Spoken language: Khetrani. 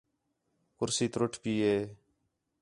کُرسی تُرُٹ پئی ہے